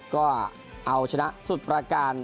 ก็เอาชนะสุดประการ